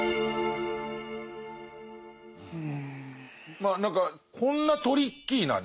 まあ何かこんなトリッキーなね